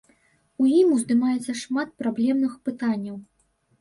У ім уздымаецца шмат праблемных пытанняў.